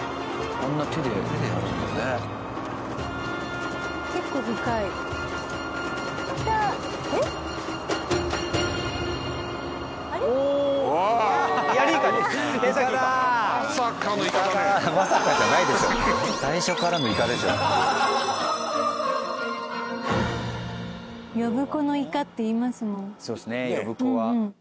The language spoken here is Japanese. そうですね呼子は。